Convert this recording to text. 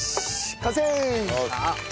完成！